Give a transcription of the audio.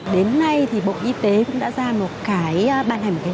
đến nay thì bộ y tế cũng đã ra một cái bàn hành kinh nghiệm